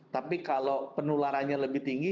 tapi kalau penularannya lebih tinggi